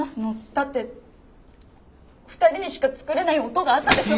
だって２人にしか作れない音があったでしょ？